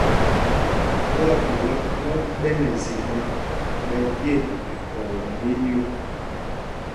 Ɓwaaɓuá thɔk ɓɛ nɛ zye náǎ, ɓɛ ɓye mɛkɔɔ mɛ ílyûk.